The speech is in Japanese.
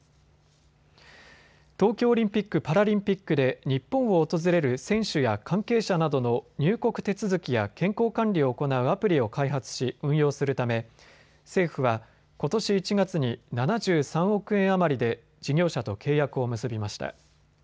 東京オリンピック・パラリンピックで日本を訪れる選手や関係者などの入国手続きや健康管理を行うアプリを開発し運用するため政府はことし１月に７３億円余りで事業者と契約を結びました。